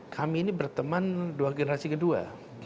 kami ini berteman dua generasi kedua